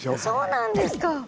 そうなんですか！